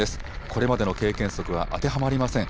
これまでの経験則は当てはまりません。